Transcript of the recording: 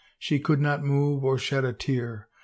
She could not move or shed a tear.